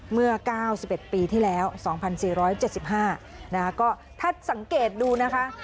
เมื่อ๙๑ปีที่แล้ว๒๔๗๕นะคะก็ถ้าสังเกตดูนะคะ